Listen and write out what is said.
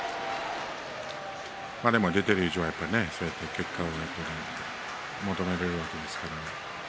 でも出ている以上は、やはり結果を求められるわけですから。